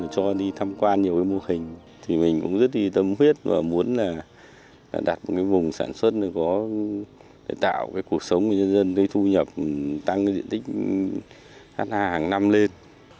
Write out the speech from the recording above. do đi thăm quan nhiều mô hình mình cũng rất tâm huyết và muốn đặt một vùng sản xuất để tạo cuộc sống của nhân dân thu nhập tăng diện tích hàng năm lên